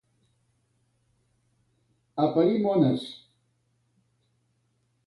A parir mones.